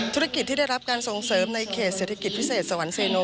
ธุรกิจที่ได้รับการส่งเสริมในเขตเศรษฐกิจพิเศษสวรรคเซโน